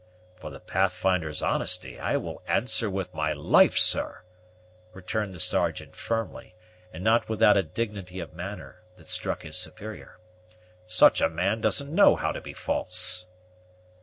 "For the Pathfinder's honesty I will answer with my life, sir," returned the Sergeant firmly, and not without a dignity of manner that struck his superior. "Such a man doesn't know how to be false."